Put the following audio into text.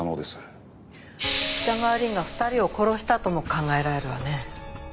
北川凛が２人を殺したとも考えられるわね。